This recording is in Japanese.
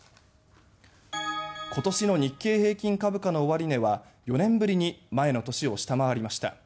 今年の日経平均株価の終値は４年ぶりに前の年を下回りました。